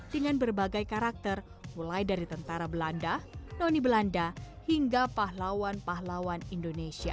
dengan berbagai karakter mulai dari tentara belanda noni belanda hingga pahlawan pahlawan indonesia